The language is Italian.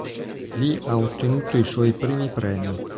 Lì ha ottenuto i suoi primi premi.